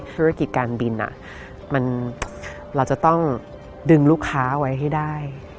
ธุรกิจการบินเราจะต้องดึงลูกค้าไว้ให้ได้